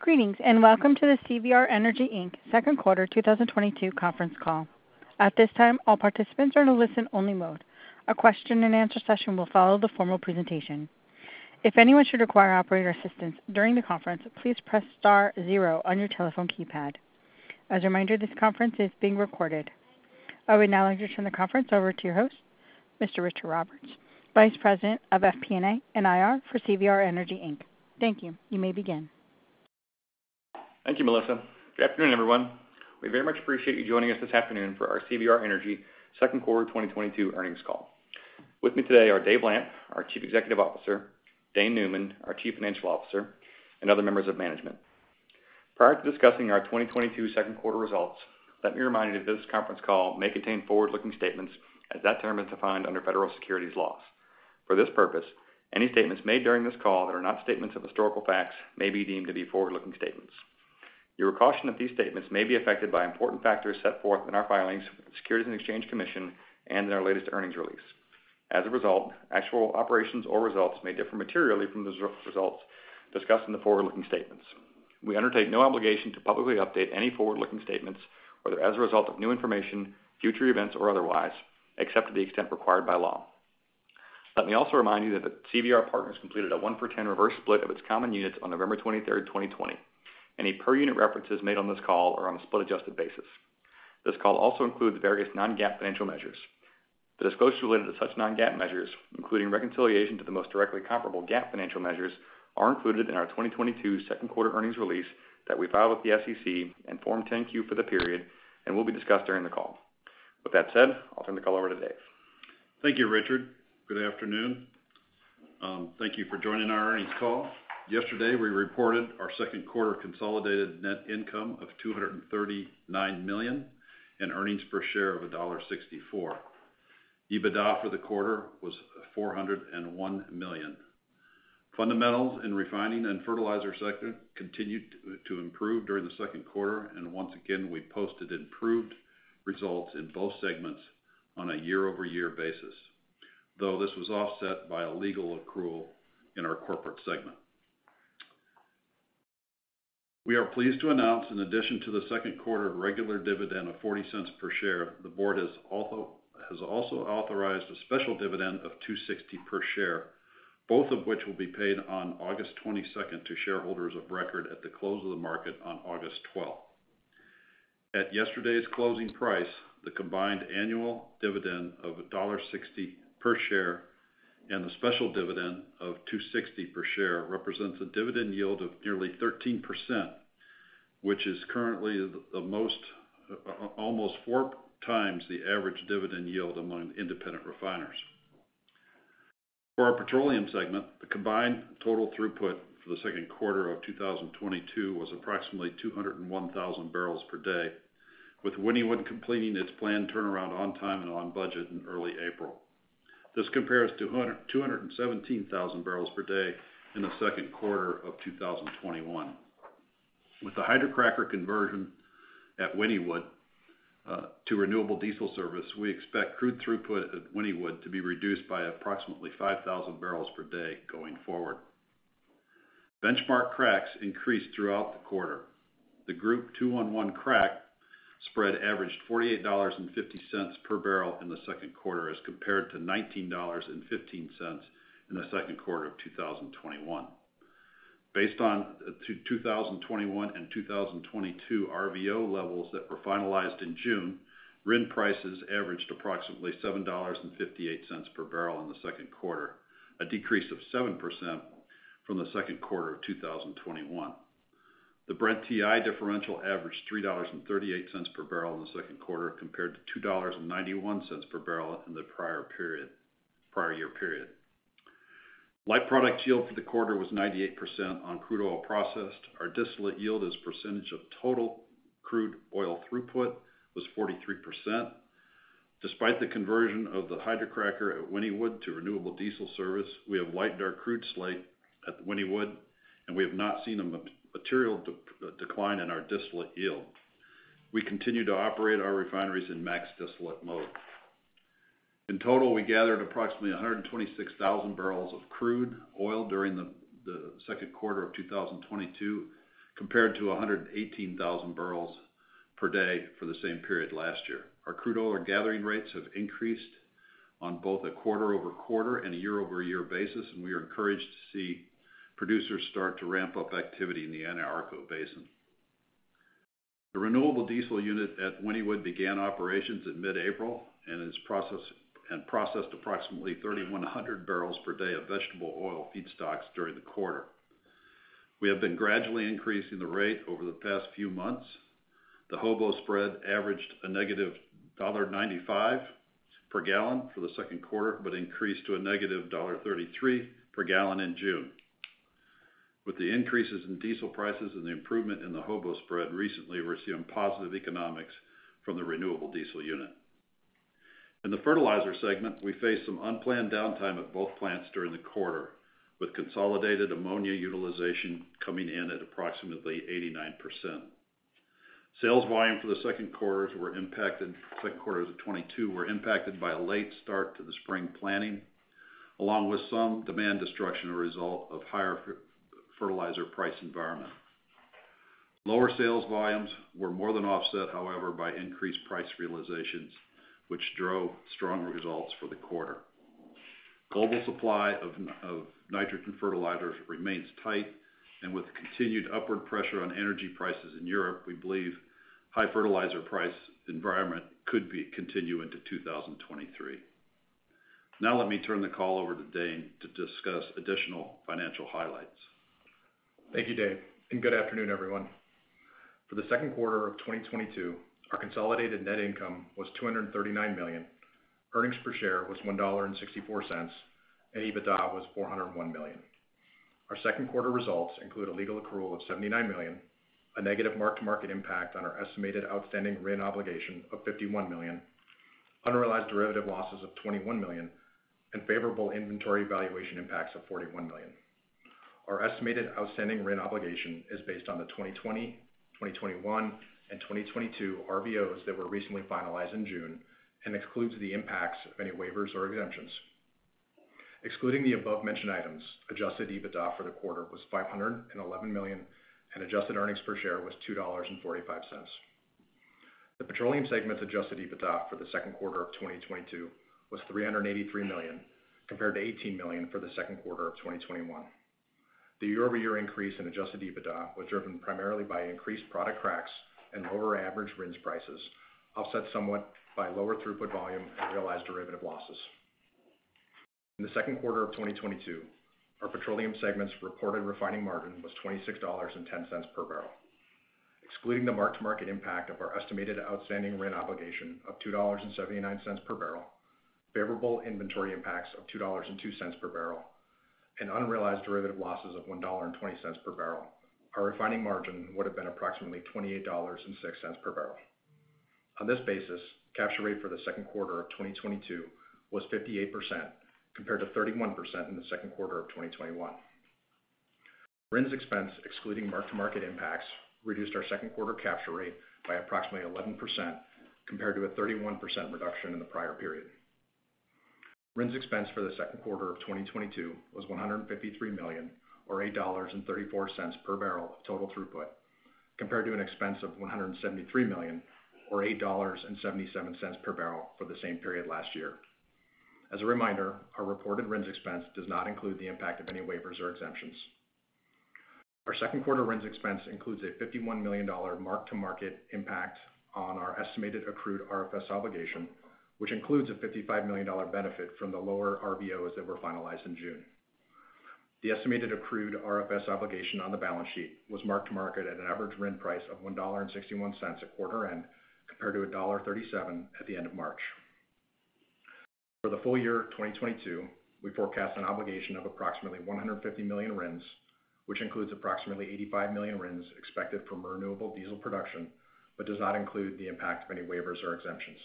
Greetings, and welcome to the CVR Energy Inc. second quarter 2022 conference call. At this time, all participants are in a listen-only mode. A question-and-answer session will follow the formal presentation. If anyone should require operator assistance during the conference, please press star zero on your telephone keypad. As a reminder, this conference is being recorded. I will now hand the conference over to your host, Mr. Richard Roberts, Vice President of FP&A and IR for CVR Energy Inc. Thank you. You may begin. Thank you, Melissa. Good afternoon, everyone. We very much appreciate you joining us this afternoon for our CVR Energy second quarter 2022 earnings call. With me today are Dave Lamp, our Chief Executive Officer, Dane Neumann, our Chief Financial Officer, and other members of management. Prior to discussing our 2022 second quarter results, let me remind you that this conference call may contain forward-looking statements as that term is defined under federal securities laws. For this purpose, any statements made during this call that are not statements of historical facts may be deemed to be forward-looking statements. You are cautioned that these statements may be affected by important factors set forth in our filings with the Securities and Exchange Commission and in our latest earnings release. As a result, actual operations or results may differ materially from the results discussed in the forward-looking statements. We undertake no obligation to publicly update any forward-looking statements, whether as a result of new information, future events, or otherwise, except to the extent required by law. Let me also remind you that CVR Partners completed a 1-for-10 reverse split of its common units on November 23rd, 2020. Any per unit references made on this call are on a split-adjusted basis. This call also includes various non-GAAP financial measures. The disclosure related to such non-GAAP measures, including reconciliation to the most directly comparable GAAP financial measures, are included in our 2022 second quarter earnings release that we filed with the SEC and Form 10-Q for the period and will be discussed during the call. With that said, I'll turn the call over to Dave. Thank you, Richard. Good afternoon. Thank you for joining our earnings call. Yesterday, we reported our second quarter consolidated net income of $239 million and earnings per share of $1.64. EBITDA for the quarter was $401 million. Fundamentals in refining and fertilizer sector continued to improve during the second quarter, and once again, we posted improved results in both segments on a year-over-year basis, though this was offset by a legal accrual in our corporate segment. We are pleased to announce, in addition to the second quarter regular dividend of $0.40 per share, the board has also authorized a special dividend of $2.60 per share, both of which will be paid on August 22 to shareholders of record at the close of the market on August 12. At yesterday's closing price, the combined annual dividend of $1.60 per share and the special dividend of $2.60 per share represents a dividend yield of nearly 13%, which is currently almost four times the average dividend yield among independent refiners. For our petroleum segment, the combined total throughput for the second quarter of 2022 was approximately 201,000 barrels per day, with Wynnewood completing its planned turnaround on time and on budget in early April. This compares to 217,000 barrels per day in the second quarter of 2021. With the hydrocracker conversion at Wynnewood to Renewable Diesel service, we expect crude throughput at Wynnewood to be reduced by approximately 5,000 barrels per day going forward. Benchmark cracks increased throughout the quarter. The Group 2-1-1 crack spread averaged $48.50 per barrel in the second quarter as compared to $19.15 in the second quarter of 2021. Based on the 2021 and 2022 RVO levels that were finalized in June, RIN prices averaged approximately $7.58 per barrel in the second quarter, a decrease of 7% from the second quarter of 2021. The Brent-WTI differential averaged $3.38 per barrel in the second quarter compared to $2.91 per barrel in the prior year period. Light product yield for the quarter was 98% on crude oil processed. Our distillate yield as a percentage of total crude oil throughput was 43%. Despite the conversion of the hydrocracker at Wynnewood to Renewable Diesel service, we have widened our crude slate at Wynnewood, and we have not seen a material decline in our distillate yield. We continue to operate our refineries in max distillate mode. In total, we gathered approximately 126,000 barrels of crude oil during the second quarter of 2022, compared to 118,000 barrels per day for the same period last year. Our crude oil gathering rates have increased on both a quarter-over-quarter and a year-over-year basis, and we are encouraged to see producers start to ramp up activity in the Anadarko Basin. The Renewable Diesel unit at Wynnewood began operations in mid-April and processed approximately 3,100 barrels per day of vegetable oil feedstocks during the quarter. We have been gradually increasing the rate over the past few months. The HOBO spread averaged a negative $0.95 per gallon for the second quarter, but increased to a negative $0.33 per gallon in June. With the increases in diesel prices and the improvement in the HOBO spread recently, we're seeing positive economics from the renewable diesel unit. In the fertilizer segment, we faced some unplanned downtime at both plants during the quarter, with consolidated ammonia utilization coming in at approximately 89%. Sales volume for the second quarter of 2022 were impacted by a late start to the spring planting, along with some demand destruction as a result of higher fertilizer price environment. Lower sales volumes were more than offset, however, by increased price realizations, which drove strong results for the quarter. Global supply of nitrogen fertilizers remains tight, and with continued upward pressure on energy prices in Europe, we believe high fertilizer price environment could continue into 2023. Now let me turn the call over to Dane to discuss additional financial highlights. Thank you, Dave, and good afternoon, everyone. For the second quarter of 2022, our consolidated net income was $239 million. Earnings per share was $1.64, and EBITDA was $401 million. Our second quarter results include a legal accrual of $79 million, a negative mark-to-market impact on our estimated outstanding RIN obligation of $51 million, unrealized derivative losses of $21 million, and favorable inventory valuation impacts of $41 million. Our estimated outstanding RIN obligation is based on the 2020, 2021, and 2022 RVOs that were recently finalized in June and excludes the impacts of any waivers or exemptions. Excluding the above-mentioned items, adjusted EBITDA for the quarter was $511 million, and adjusted earnings per share was $2.45. The petroleum segment's adjusted EBITDA for the second quarter of 2022 was $383 million, compared to $18 million for the second quarter of 2021. The year-over-year increase in adjusted EBITDA was driven primarily by increased product cracks and lower average RINs prices, offset somewhat by lower throughput volume and realized derivative losses. In the second quarter of 2022, our petroleum segment's reported refining margin was $26.10 per barrel. Excluding the mark-to-market impact of our estimated outstanding RIN obligation of $2.79 per barrel, favorable inventory impacts of $2.02 per barrel, and unrealized derivative losses of $1.20 per barrel, our refining margin would've been approximately $28.06 per barrel. On this basis, capture rate for the second quarter of 2022 was 58%, compared to 31% in the second quarter of 2021. RINs expense, excluding mark-to-market impacts, reduced our second quarter capture rate by approximately 11% compared to a 31% reduction in the prior period. RINs expense for the second quarter of 2022 was $153 million or $8.34 per barrel of total throughput, compared to an expense of $173 million or $8.77 per barrel for the same period last year. As a reminder, our reported RINs expense does not include the impact of any waivers or exemptions. Our second quarter RINs expense includes a $51 million mark-to-market impact on our estimated accrued RFS obligation, which includes a $55 million benefit from the lower RVOs that were finalized in June. The estimated accrued RFS obligation on the balance sheet was mark-to-market at an average RIN price of $1.61 at quarter end, compared to $1.37 at the end of March. For the full year of 2022, we forecast an obligation of approximately 150 million RINs, which includes approximately 85 million RINs expected from Renewable Diesel production, but does not include the impact of any waivers or exemptions.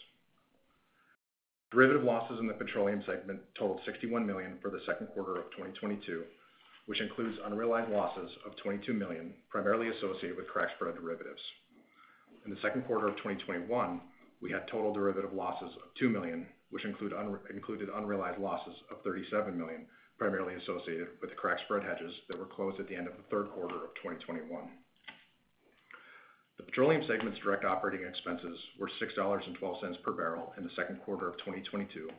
Derivative losses in the petroleum segment totaled $61 million for the second quarter of 2022, which includes unrealized losses of $22 million, primarily associated with crack spread derivatives. In the second quarter of 2021, we had total derivative losses of $2 million, which included unrealized losses of $37 million, primarily associated with crack spread hedges that were closed at the end of the third quarter of 2021. The petroleum segment's direct operating expenses were $6.12 per barrel in the second quarter of 2022,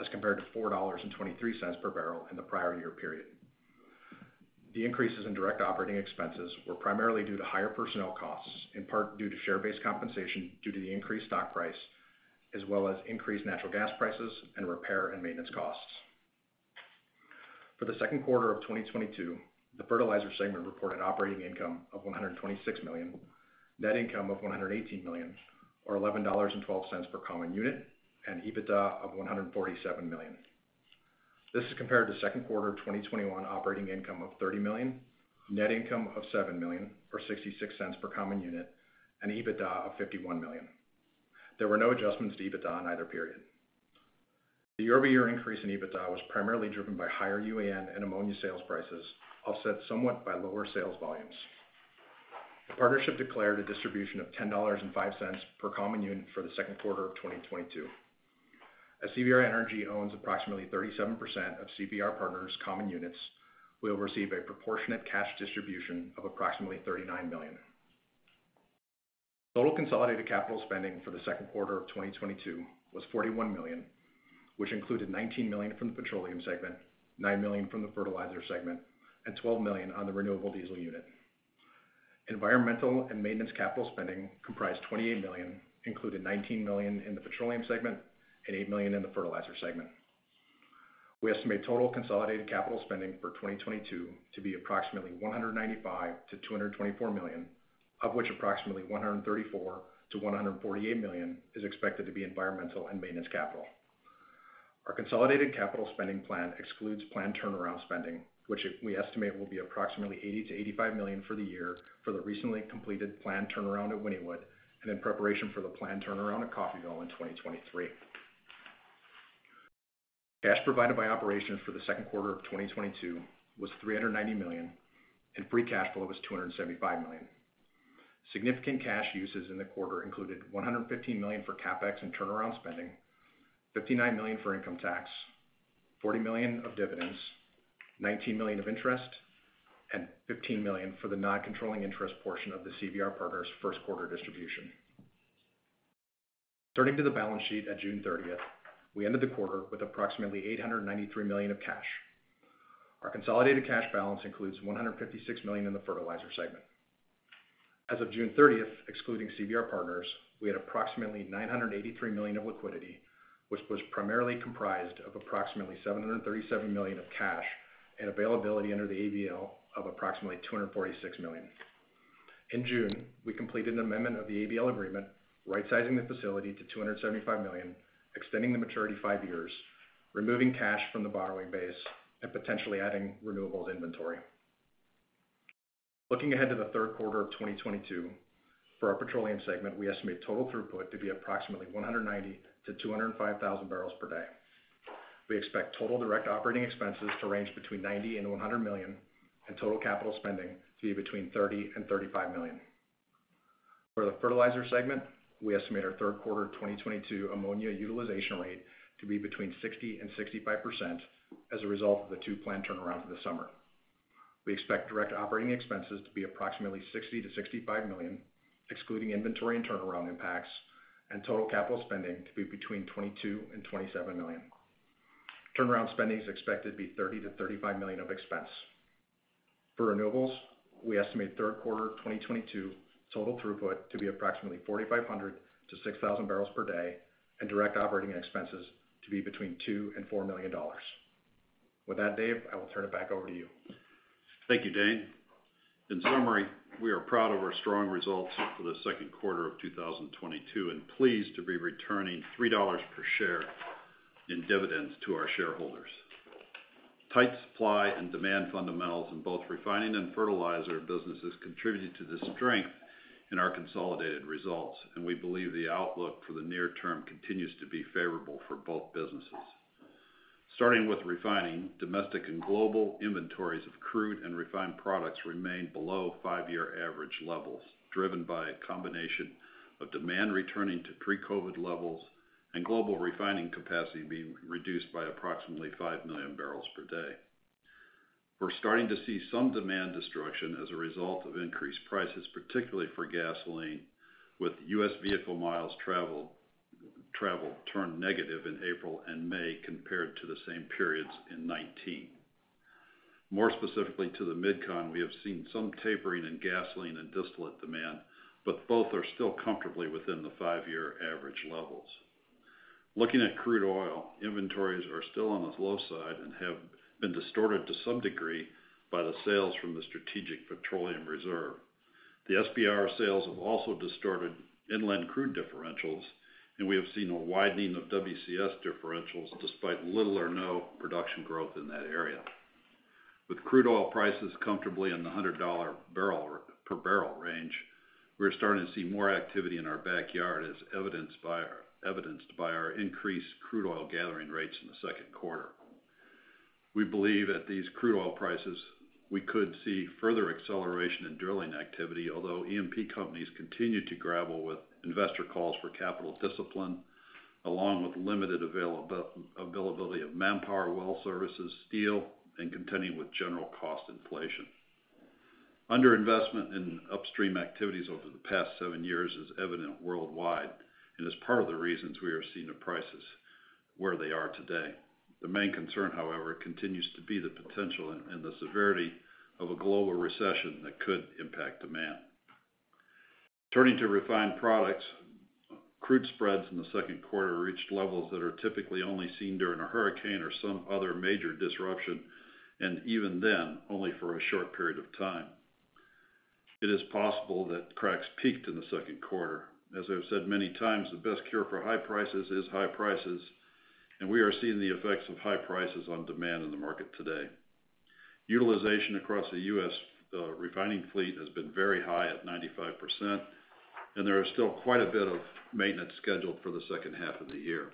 as compared to $4.23 per barrel in the prior year period. The increases in direct operating expenses were primarily due to higher personnel costs, in part due to share-based compensation due to the increased stock price, as well as increased natural gas prices and repair and maintenance costs. For the second quarter of 2022, the fertilizer segment reported operating income of $126 million, net income of $118 million, or $11.12 per common unit, and EBITDA of $147 million. This is compared to second quarter of 2021 operating income of $30 million, net income of $7 million, or $0.66 per common unit, and EBITDA of $51 million. There were no adjustments to EBITDA in either period. The year-over-year increase in EBITDA was primarily driven by higher UAN and ammonia sales prices, offset somewhat by lower sales volumes. The partnership declared a distribution of $10.05 per common unit for the second quarter of 2022. As CVR Energy owns approximately 37% of CVR Partners common units, we'll receive a proportionate cash distribution of approximately $39 million. Total consolidated capital spending for the second quarter of 2022 was $41 million, which included $19 million from the petroleum segment, $9 million from the fertilizer segment, and $12 million on the renewable diesel unit. Environmental and maintenance capital spending comprised $28 million, including $19 million in the petroleum segment and $8 million in the fertilizer segment. We estimate total consolidated capital spending for 2022 to be approximately $195 million-$224 million, of which approximately $134 million-$148 million is expected to be environmental and maintenance capital. Our consolidated capital spending plan excludes planned turnaround spending, which we estimate will be approximately $80 million-$85 million for the year for the recently completed planned turnaround at Wynnewood and in preparation for the planned turnaround at Coffeyville in 2023. Cash provided by operations for the second quarter of 2022 was $390 million, and free cash flow was $275 million. Significant cash uses in the quarter included $115 million for CapEx and turnaround spending, $59 million for income tax, $40 million of dividends, $19 million of interest, and $15 million for the non-controlling interest portion of the CVR Partners first quarter distribution. Turning to the balance sheet at June 30, we ended the quarter with approximately $893 million of cash. Our consolidated cash balance includes $156 million in the fertilizer segment. As of June 30th, excluding CVR Partners, we had approximately $983 million of liquidity, which was primarily comprised of approximately $737 million of cash and availability under the ABL of approximately $246 million. In June, we completed an amendment of the ABL agreement, rightsizing the facility to $275 million, extending the maturity five years, removing cash from the borrowing base and potentially adding renewables inventory. Looking ahead to the third quarter of 2022, for our petroleum segment, we estimate total throughput to be approximately 190-205 thousand barrels per day. We expect total direct operating expenses to range between $90-$100 million, and total capital spending to be between $30-$35 million. For the fertilizer segment, we estimate our third quarter of 2022 ammonia utilization rate to be between 60% and 65% as a result of the two plant turnarounds in the summer. We expect direct operating expenses to be approximately $60-$65 million, excluding inventory and turnaround impacts, and total capital spending to be between $22 million and $27 million. Turnaround spending is expected to be $30-$35 million of expense. For renewables, we estimate third quarter of 2022 total throughput to be approximately 4,500-6,000 barrels per day, and direct operating expenses to be between $2 million and $4 million. With that, Dave, I will turn it back over to you. Thank you, Dane. In summary, we are proud of our strong results for the second quarter of 2022, and pleased to be returning $3 per share in dividends to our shareholders. Tight supply and demand fundamentals in both refining and fertilizer businesses contributed to the strength in our consolidated results, and we believe the outlook for the near term continues to be favorable for both businesses. Starting with refining, domestic and global inventories of crude and refined products remain below 5-year average levels, driven by a combination of demand returning to pre-COVID levels and global refining capacity being reduced by approximately 5 million barrels per day. We're starting to see some demand destruction as a result of increased prices, particularly for gasoline, with U.S. vehicle miles traveled turned negative in April and May compared to the same periods in 2019. More specifically to the MidCon, we have seen some tapering in gasoline and distillate demand, but both are still comfortably within the five-year average levels. Looking at crude oil, inventories are still on the low side and have been distorted to some degree by the sales from the Strategic Petroleum Reserve. The SPR sales have also distorted inland crude differentials, and we have seen a widening of WCS differentials despite little or no production growth in that area. With crude oil prices comfortably in the $100 per barrel range, we're starting to see more activity in our backyard as evidenced by our increased crude oil gathering rates in the second quarter. We believe at these crude oil prices, we could see further acceleration in drilling activity, although E&P companies continue to grapple with investor calls for capital discipline, along with limited availability of manpower, well services, steel, and continuing with general cost inflation. Underinvestment in upstream activities over the past seven years is evident worldwide and is part of the reasons we are seeing the prices where they are today. The main concern, however, continues to be the potential and the severity of a global recession that could impact demand. Turning to refined products, crack spreads in the second quarter reached levels that are typically only seen during a hurricane or some other major disruption, and even then, only for a short period of time. It is possible that cracks peaked in the second quarter. As I've said many times, the best cure for high prices is high prices, and we are seeing the effects of high prices on demand in the market today. Utilization across the U.S. refining fleet has been very high at 95%, and there is still quite a bit of maintenance scheduled for the second half of the year.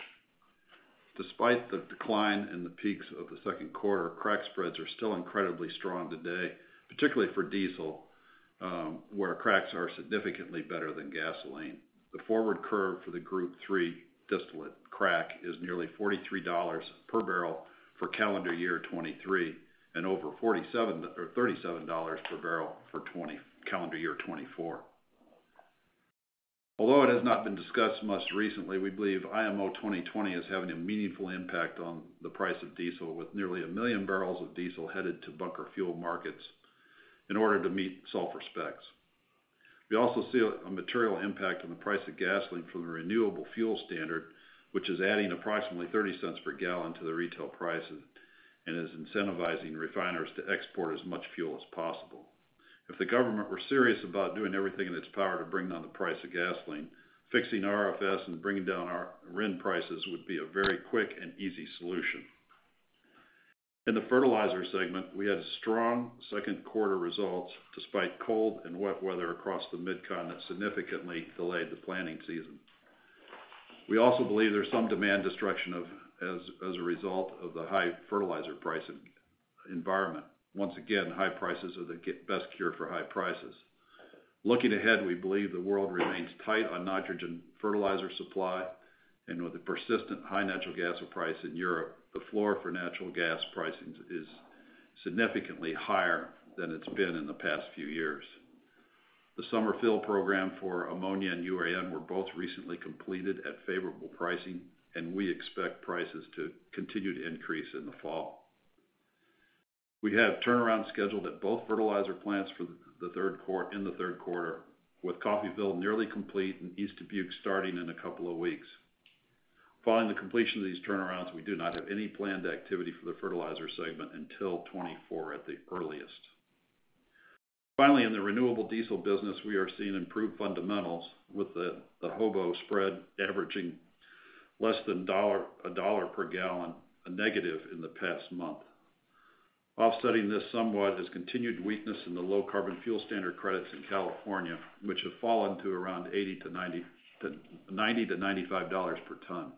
Despite the decline in the peaks of the second quarter, crack spreads are still incredibly strong today, particularly for diesel, where cracks are significantly better than gasoline. The forward curve for the Group 3 distillate crack is nearly $43 per barrel for calendar year 2023 and over $47, or $37 per barrel for 2024, calendar year 2024. Although it has not been discussed much recently, we believe IMO 2020 is having a meaningful impact on the price of diesel, with nearly 1 million barrels of diesel headed to bunker fuel markets in order to meet sulfur specs. We also see a material impact on the price of gasoline from the renewable fuel standard, which is adding approximately $0.30 per gallon to the retail prices and is incentivizing refiners to export as much fuel as possible. If the government were serious about doing everything in its power to bring down the price of gasoline, fixing RFS and bringing down our RIN prices would be a very quick and easy solution. In the fertilizer segment, we had strong second quarter results despite cold and wet weather across the Mid-Con that significantly delayed the planting season. We also believe there's some demand destruction as a result of the high fertilizer pricing environment. Once again, high prices are the best cure for high prices. Looking ahead, we believe the world remains tight on nitrogen fertilizer supply. With the persistent high natural gas price in Europe, the floor for natural gas pricing is significantly higher than it's been in the past few years. The summer fill program for Ammonia and UAN were both recently completed at favorable pricing, and we expect prices to continue to increase in the fall. We have turnaround scheduled at both fertilizer plants for the third quarter, with Coffeyville nearly complete and East Dubuque starting in a couple of weeks. Following the completion of these turnarounds, we do not have any planned activity for the fertilizer segment until 2024 at the earliest. Finally, in the renewable diesel business, we are seeing improved fundamentals with the HOBO spread averaging less than $1 per gallon, a negative in the past month. Offsetting this somewhat is continued weakness in the Low Carbon Fuel Standard credits in California, which have fallen to around 90 to 95 dollars per ton.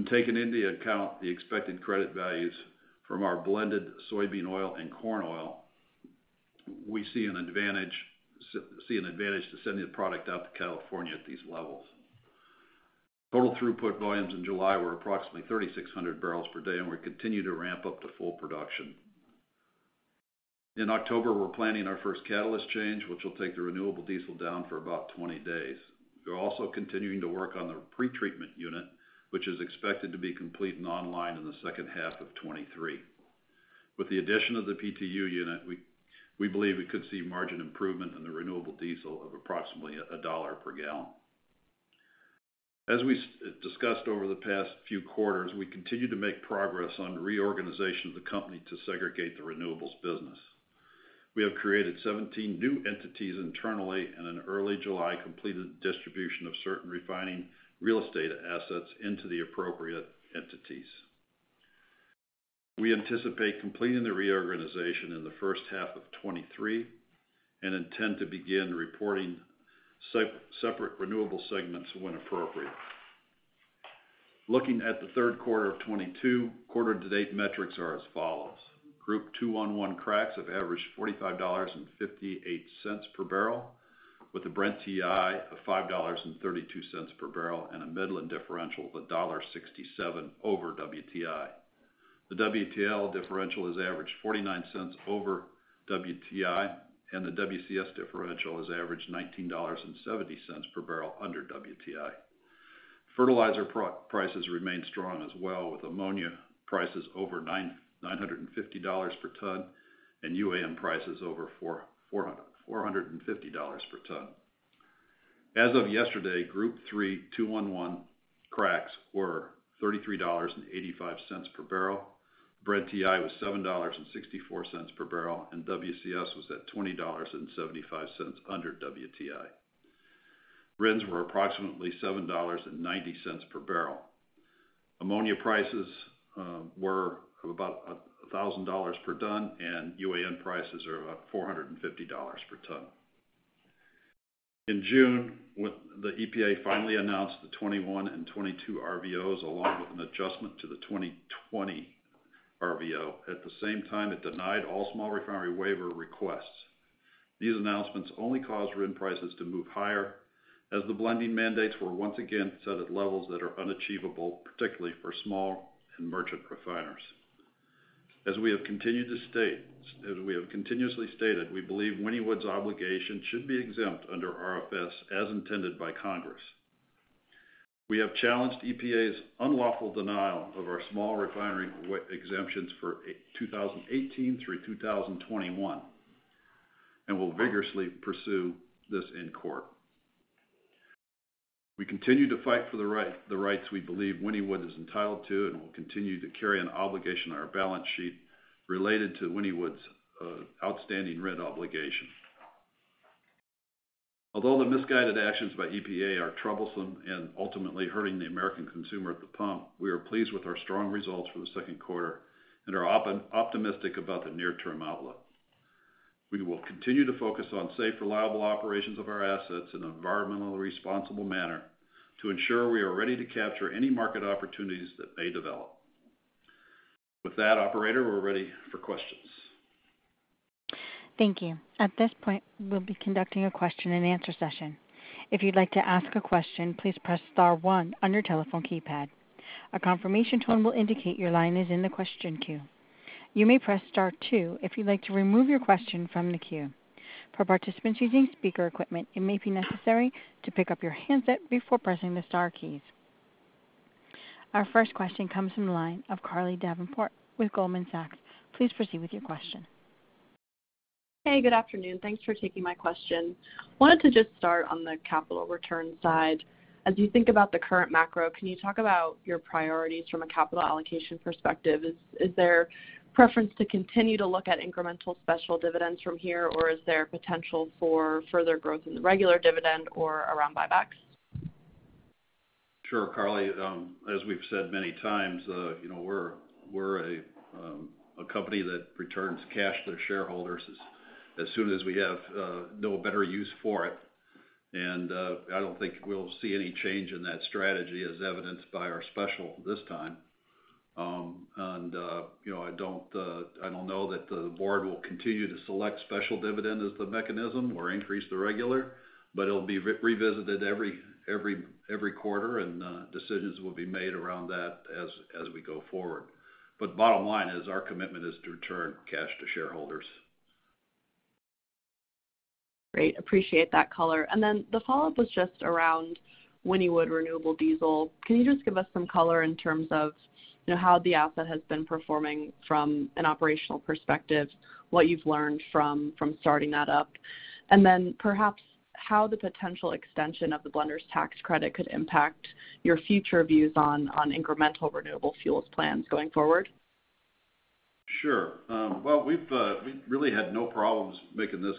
When taking into account the expected credit values from our blended soybean oil and corn oil, we see an advantage to sending the product out to California at these levels. Total throughput volumes in July were approximately 3,600 barrels per day, and we continue to ramp up to full production. In October, we're planning our first catalyst change, which will take the renewable diesel down for about 20 days. We're also continuing to work on the pretreatment unit, which is expected to be complete and online in the second half of 2023. With the addition of the PTU unit, we believe we could see margin improvement in the Renewable Diesel of approximately $1 per gallon. As we discussed over the past few quarters, we continue to make progress on reorganization of the company to segregate the renewables business. We have created 17 new entities internally, and in early July, completed distribution of certain refining real estate assets into the appropriate entities. We anticipate completing the reorganization in the first half of 2023, and intend to begin reporting separate renewable segments when appropriate. Looking at the third quarter of 2022, quarter to date metrics are as follows: 2-1-1 cracks have averaged $45.58 per barrel, with a Brent-WTI of $5.32 per barrel and a Midland differential of $1.67 over WTI. The WTL differential has averaged $0.49 over WTI, and the WCS differential has averaged $19.70 per barrel under WTI. Fertilizer prices remain strong as well, with ammonia prices over $950 per ton and UAN prices over $450 per ton. As of yesterday, 3-2-1 cracks were $33.85 per barrel. Brent-WTI was $7.64 per barrel, and WCS was at $20.75 under WTI. RINs were approximately $7.90 per barrel. Ammonia prices were about $1,000 per ton, and UAN prices are about $450 per ton. In June, when the EPA finally announced the 2021 and 2022 RVOs, along with an adjustment to the 2020 RVO, at the same time, it denied all small refinery waiver requests. These announcements only caused RIN prices to move higher as the blending mandates were once again set at levels that are unachievable, particularly for small and merchant refiners. As we have continuously stated, we believe Wynnewood's obligation should be exempt under RFS as intended by Congress. We have challenged EPA's unlawful denial of our small refinery waiver exemptions for 2018 through 2021, and will vigorously pursue this in court. We continue to fight for the rights we believe Wynnewood is entitled to and will continue to carry an obligation on our balance sheet related to Wynnewood's outstanding RIN obligation. Although the misguided actions by EPA are troublesome and ultimately hurting the American consumer at the pump, we are pleased with our strong results for the second quarter and are optimistic about the near-term outlook. We will continue to focus on safe, reliable operations of our assets in an environmentally responsible manner to ensure we are ready to capture any market opportunities that may develop. With that, operator, we're ready for questions. Thank you. At this point, we'll be conducting a question and answer session. If you'd like to ask a question, please press star one on your telephone keypad. A confirmation tone will indicate your line is in the question queue. You may press star two if you'd like to remove your question from the queue. For participants using speaker equipment, it may be necessary to pick up your handset before pressing the star keys. Our first question comes from the line of Carly Davenport with Goldman Sachs. Please proceed with your question. Hey, good afternoon. Thanks for taking my question. Wanted to just start on the capital return side. As you think about the current macro, can you talk about your priorities from a capital allocation perspective? Is there preference to continue to look at incremental special dividends from here, or is there potential for further growth in the regular dividend or around buybacks? Sure, Carly. As we've said many times, you know, we're a company that returns cash to their shareholders as soon as we have no better use for it. I don't think we'll see any change in that strategy as evidenced by our special this time. you know, I don't know that the board will continue to select special dividend as the mechanism or increase the regular, but it'll be revisited every quarter, and decisions will be made around that as we go forward. Bottom line is our commitment is to return cash to shareholders. Great. Appreciate that color. The follow-up was just around Wynnewood Renewable Diesel. Can you just give us some color in terms of, you know, how the asset has been performing from an operational perspective, what you've learned from starting that up, and then perhaps how the potential extension of the blenders tax credit could impact your future views on incremental renewable fuels plans going forward? Sure. Well, we've really had no problems making this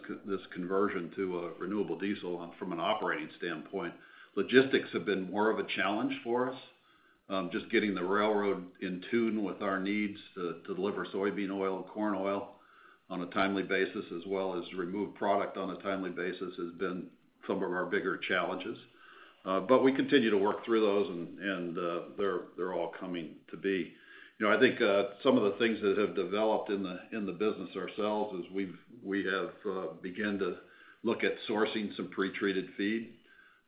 conversion to Renewable Diesel from an operating standpoint. Logistics have been more of a challenge for us. Just getting the railroad in tune with our needs to deliver soybean oil and corn oil on a timely basis, as well as remove product on a timely basis has been some of our bigger challenges. We continue to work through those and they're all coming to be. You know, I think some of the things that have developed in the business ourselves is we have began to look at sourcing some pretreated feed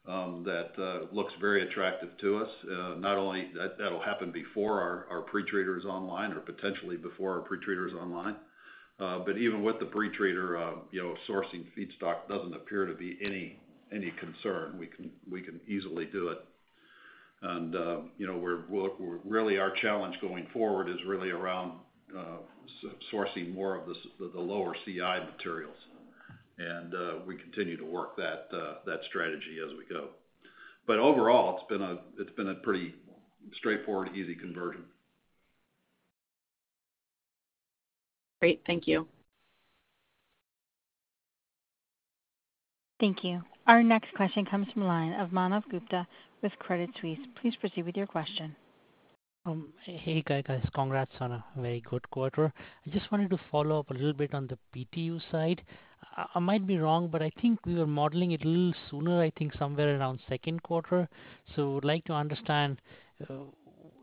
that looks very attractive to us. That, that'll happen before our pretreater is online or potentially before our pretreater is online. Even with the pretreater, you know, sourcing feedstock doesn't appear to be any concern. We can easily do it. You know, well, really our challenge going forward is really around sourcing more of the lower CI materials. We continue to work that strategy as we go. Overall, it's been a pretty straightforward, easy conversion. Great. Thank you. Thank you. Our next question comes from the line of Manav Gupta with Credit Suisse. Please proceed with your question. Hey, guys. Congrats on a very good quarter. I just wanted to follow up a little bit on the PTU side. I might be wrong, but I think we were modeling it a little sooner, I think somewhere around second quarter. I would like to understand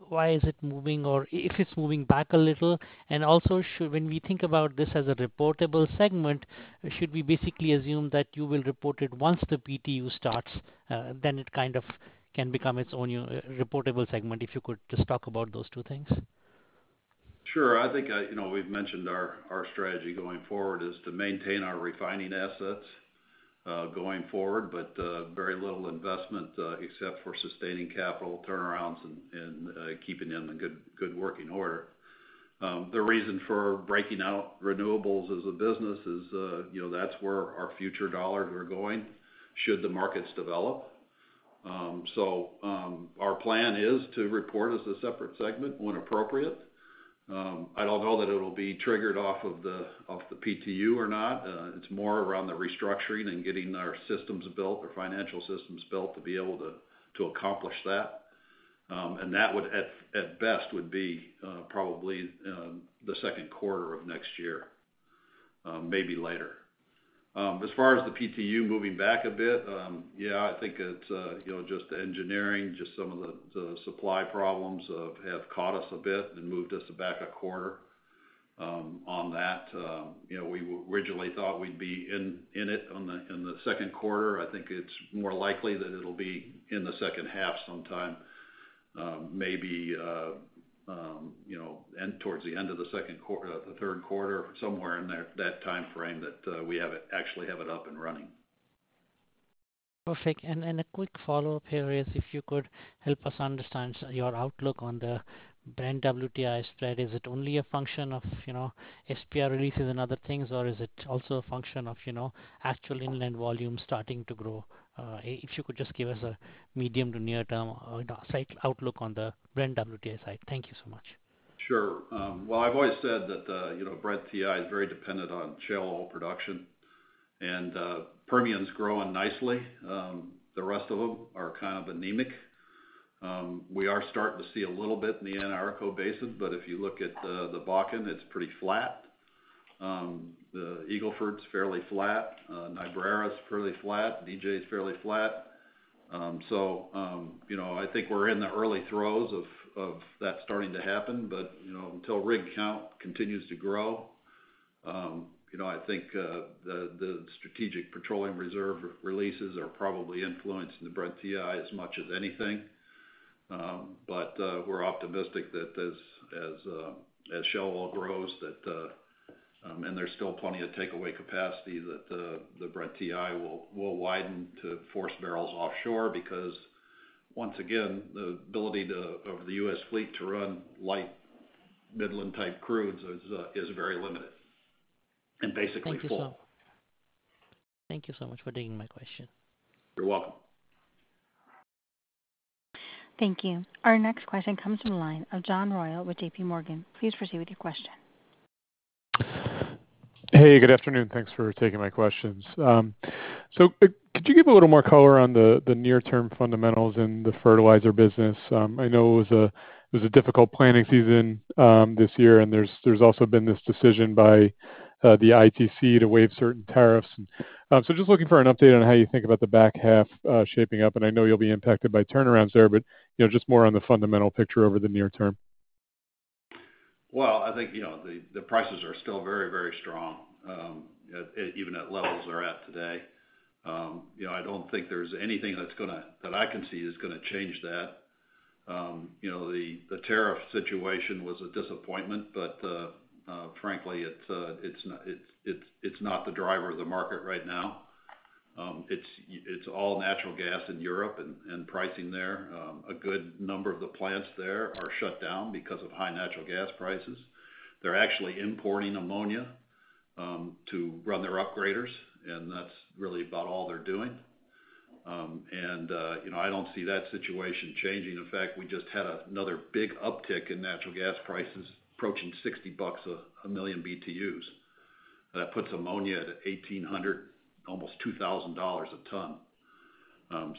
why it is moving or if it's moving back a little. When we think about this as a reportable segment, should we basically assume that you will report it once the PTU starts, then it kind of can become its own reportable segment? If you could just talk about those two things. Sure. I think, you know, we've mentioned our strategy going forward is to maintain our refining assets going forward, but very little investment except for sustaining capital turnarounds and keeping them in good working order. The reason for breaking out renewables as a business is, you know, that's where our future dollars are going should the markets develop. Our plan is to report as a separate segment when appropriate. I don't know that it'll be triggered off of the PTU or not. It's more around the restructuring and getting our systems built, our financial systems built to be able to accomplish that. That would at best be probably the second quarter of next year, maybe later. As far as the PTU moving back a bit, yeah, I think it's, you know, just engineering, just some of the supply problems have caught us a bit and moved us back a quarter, on that. You know, we originally thought we'd be in it in the second quarter. I think it's more likely that it'll be in the second half sometime, maybe, you know, towards the end of the third quarter, somewhere in that timeframe that we actually have it up and running. Perfect. A quick follow-up here is if you could help us understand your outlook on the Brent-WTI spread. Is it only a function of, you know, SPR releases and other things, or is it also a function of, you know, actual inland volume starting to grow? If you could just give us a medium- to near-term site outlook on the Brent-WTI side. Thank you so much. Sure. Well, I've always said that, you know, Brent-WTI is very dependent on shale oil production. Permian's growing nicely. The rest of them are kind of anemic. We are starting to see a little bit in the Anadarko Basin, but if you look at the Bakken, it's pretty flat. The Eagle Ford's fairly flat. Niobrara's fairly flat. DJ is fairly flat. So, you know, I think we're in the early throes of that starting to happen. You know, until rig count continues to grow, you know, I think the Strategic Petroleum Reserve releases are probably influencing the Brent-WTI as much as anything. We're optimistic that as shale oil grows and there's still plenty of takeaway capacity that the Brent-WTI will widen to force barrels offshore. Because once again, the ability of the U.S. fleet to run light Midland-type crudes is very limited and basically full. Thank you, sir. Thank you so much for taking my question. You're welcome. Thank you. Our next question comes from the line of John Royall with JPMorgan. Please proceed with your question. Hey, good afternoon. Thanks for taking my questions. So could you give a little more color on the near-term fundamentals in the fertilizer business? I know it was a difficult planning season this year, and there's also been this decision by the ITC to waive certain tariffs. So just looking for an update on how you think about the back half shaping up, and I know you'll be impacted by turnarounds there, but you know, just more on the fundamental picture over the near term. Well, I think, you know, the prices are still very, very strong, even at levels they're at today. You know, I don't think there's anything that I can see is gonna change that. You know, the tariff situation was a disappointment, but frankly, it's not the driver of the market right now. It's all natural gas in Europe and pricing there. A good number of the plants there are shut down because of high natural gas prices. They're actually importing ammonia to run their upgraders, and that's really about all they're doing. You know, I don't see that situation changing. In fact, we just had another big uptick in natural gas prices approaching $60 a million BTUs. That puts ammonia at $1,800, almost $2,000 a ton.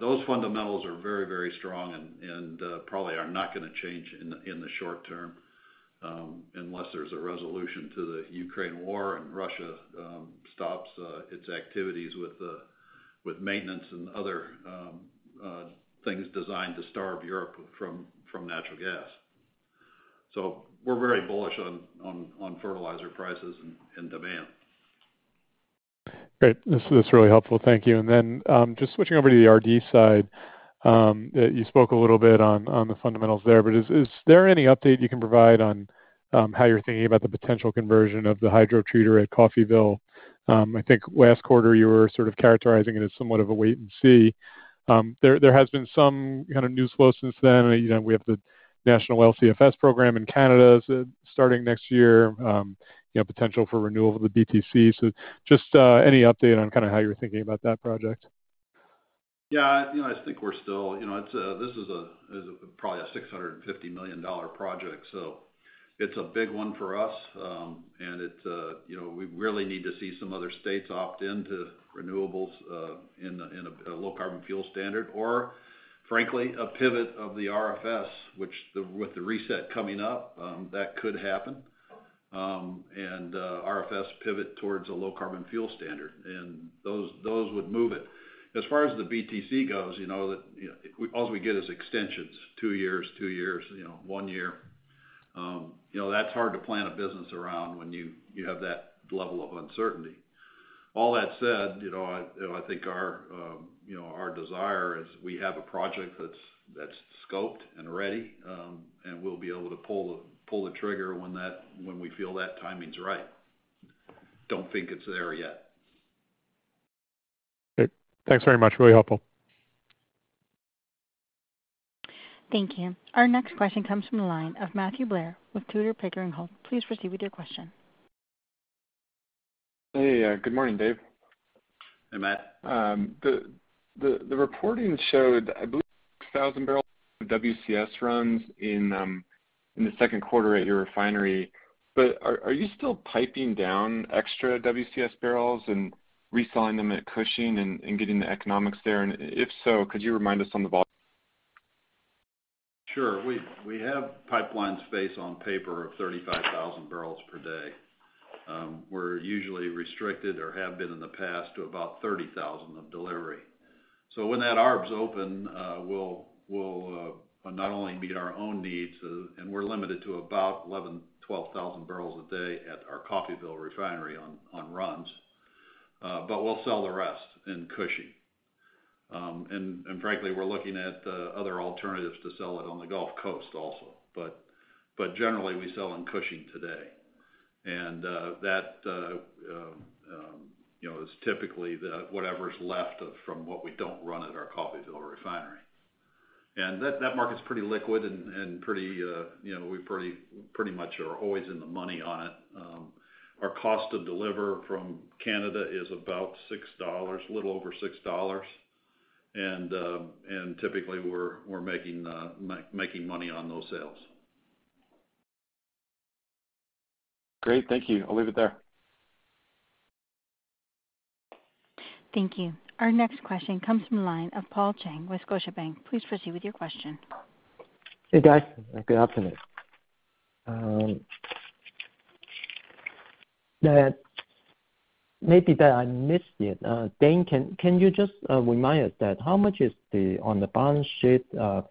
Those fundamentals are very strong and probably are not gonna change in the short term, unless there's a resolution to the Ukraine war and Russia stops its activities with maintenance and other things designed to starve Europe from natural gas. We're very bullish on fertilizer prices and demand. Great. This is really helpful. Thank you. Then, just switching over to the RD side. You spoke a little bit on the fundamentals there, but is there any update you can provide on how you're thinking about the potential conversion of the hydrotreater at Coffeyville? I think last quarter you were sort of characterizing it as somewhat of a wait and see. There has been some kind of news flow since then. You know, we have the national LCFS program in Canada starting next year, you know, potential for renewal of the BTC. Just, any update on kinda how you're thinking about that project? Yeah. You know, I think we're still, you know, this is probably a $650 million project, so it's a big one for us. It's, you know, we really need to see some other states opt in to renewables in a Low Carbon Fuel Standard or frankly a pivot of the RFS, with the reset coming up, that could happen. RFS pivot towards a Low Carbon Fuel Standard, and those would move it. As far as the BTC goes, you know, all we get is extensions, two years, one year. You know, that's hard to plan a business around when you have that level of uncertainty. All that said, you know, I, you know, I think our, you know, our desire is we have a project that's scoped and ready, and we'll be able to pull the trigger when we feel that timing's right. Don't think it's there yet. Okay. Thanks very much. Really helpful. Thank you. Our next question comes from the line of Matthew Blair with Tudor, Pickering, Holt. Please proceed with your question. Hey. Good morning, Dave. Hey, Matt. The reporting showed, I believe, 1,000 barrels of WCS runs in the second quarter at your refinery. Are you still piping down extra WCS barrels and reselling them at Cushing and getting the economics there? If so, could you remind us on the volume? Sure. We have pipeline space on paper of 35,000 barrels per day. We're usually restricted or have been in the past to about 30,000 of delivery. When that arbs open, we'll not only meet our own needs, and we're limited to about 11-12,000 barrels a day at our Coffeyville refinery on runs, but we'll sell the rest in Cushing. Frankly, we're looking at other alternatives to sell it on the Gulf Coast also. Generally, we sell in Cushing today. That, you know, is typically whatever's left over from what we don't run at our Coffeyville refinery. That market's pretty liquid and pretty, you know, we pretty much are always in the money on it. Our cost to deliver from Canada is about $6, a little over $6. Typically we're making money on those sales. Great. Thank you. I'll leave it there. Thank you. Our next question comes from the line of Paul Cheng with Scotiabank. Please proceed with your question. Hey, guys. Good afternoon. Maybe I missed it. Dane, can you just remind us how much is there on the balance sheet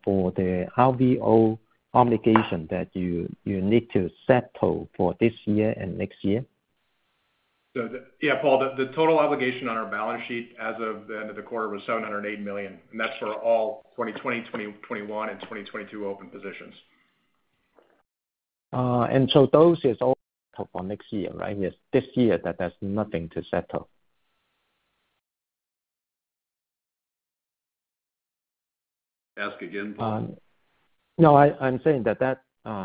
for the RVO obligation that you need to settle for this year and next year? Paul, the total obligation on our balance sheet as of the end of the quarter was $708 million, and that's for all 2020, 2021, and 2022 open positions. That's all for next year, right? Yes, this year, there's nothing to settle. Ask again, Paul. No. I'm saying that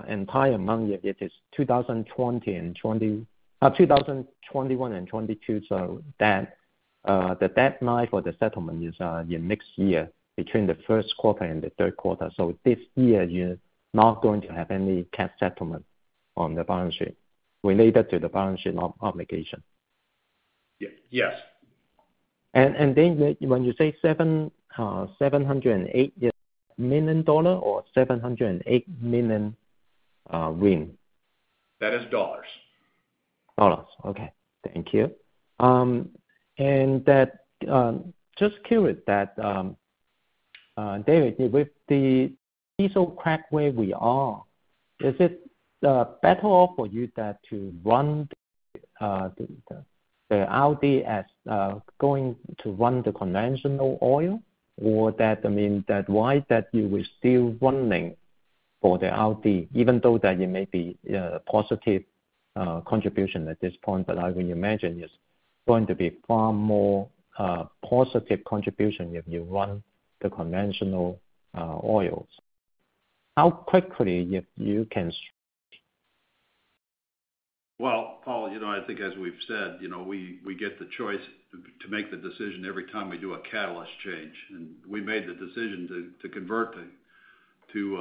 entire amount, it is 2021 and 2022. That The deadline for the settlement is in next year between the first quarter and the third quarter. This year you're not going to have any cap settlement on the balance sheet related to the balance sheet obligation. Ye-yes. When you say $708 million dollar or $708 million RIN? That is dollars. Dollars. Okay. Thank you. Just curious that, David, with the diesel crack where we are, is it better off for you that to run the RD as going to run the conventional oil or that I mean that why that you were still running for the RD even though that you may be positive contribution at this point, but I would imagine it's going to be far more positive contribution if you run the conventional oils. How quickly you can switch? Well, Paul, you know, I think as we've said, you know, we get the choice to make the decision every time we do a catalyst change, and we made the decision to convert it to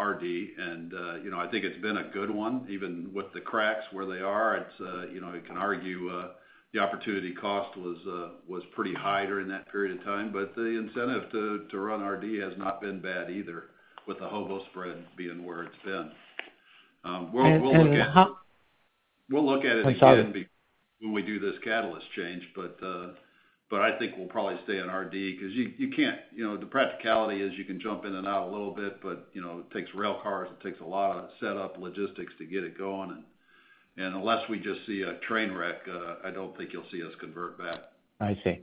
RD. You know, I think it's been a good one, even with the cracks where they are. You know, you can argue the opportunity cost was pretty high during that period of time, but the incentive to run RD has not been bad either with the HOBO spread being where it's been. We'll- And how- We'll look at it again. I'm sorry. When we do this catalyst change, but I think we'll probably stay on RD because you can't, you know, the practicality is you can jump in and out a little bit, but, you know, it takes rail cars, it takes a lot of setup logistics to get it going. And unless we just see a train wreck, I don't think you'll see us convert back. I see.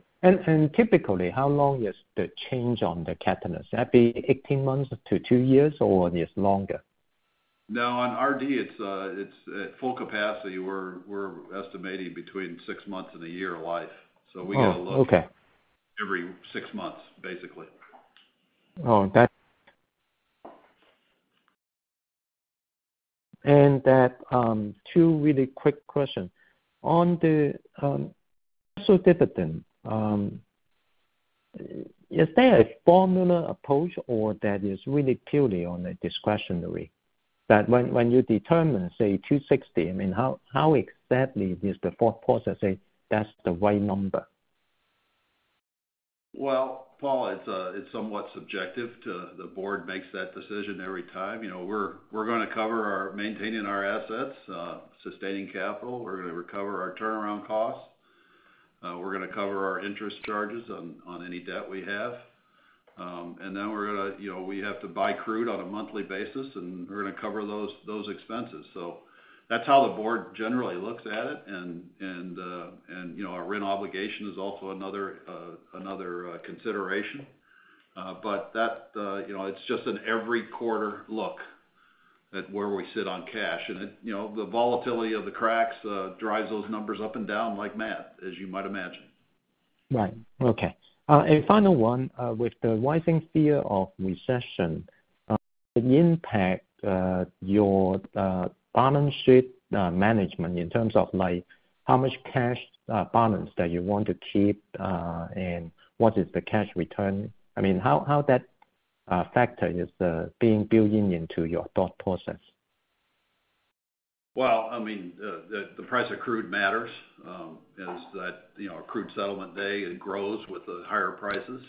Typically, how long is the change on the catalyst? That be 18 months to 2 years or it is longer? No. On RD, it's at full capacity. We're estimating between six months and a year of life. We get a look- Oh, okay. Every six months, basically. Two really quick questions. On the dividend, is there a formula approach or is that really purely on a discretionary? When you determine, say, $2.60, I mean, how exactly is the thought process say that's the right number? Well, Paul, it's somewhat subjective. The board makes that decision every time. You know, we're gonna cover maintaining our assets, sustaining capital. We're gonna recover our turnaround costs. We're gonna cover our interest charges on any debt we have. Then we're gonna, you know, we have to buy crude on a monthly basis, and we're gonna cover those expenses. That's how the board generally looks at it. You know, our rent obligation is also another consideration. That's it. You know, it's just an every quarter look at where we sit on cash. It, you know, the volatility of the cracks drives those numbers up and down like mad, as you might imagine. Right. Okay. A final one. With the rising fear of recession, the impact, your balance sheet management in terms of like how much cash balance that you want to keep, and what is the cash return. I mean, how that factor is being built into your thought process? I mean, the price of crude matters. On that, you know, crude settlement day, it grows with the higher prices.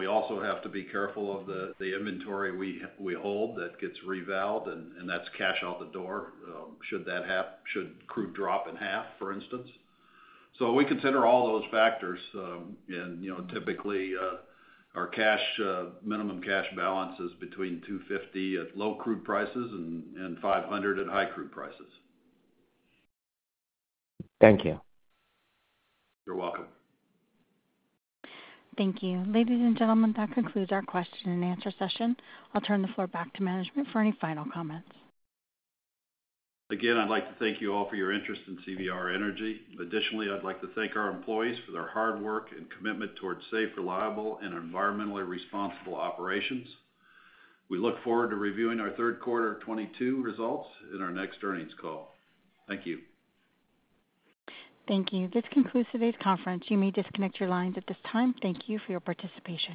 We also have to be careful of the inventory we hold that gets revalued, and that's cash out the door, should crude drop in half, for instance. We consider all those factors. You know, typically, our minimum cash balance is between $250 at low crude prices and $500 at high crude prices. Thank you. You're welcome. Thank you. Ladies and gentlemen, that concludes our question and answer session. I'll turn the floor back to management for any final comments. Again, I'd like to thank you all for your interest in CVR Energy. Additionally, I'd like to thank our employees for their hard work and commitment towards safe, reliable, and environmentally responsible operations. We look forward to reviewing our third quarter 2022 results in our next earnings call. Thank you. Thank you. This concludes today's conference. You may disconnect your lines at this time. Thank you for your participation.